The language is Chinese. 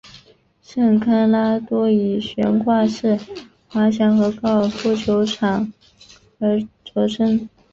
圣康拉多以悬挂式滑翔和高尔夫球场而着称。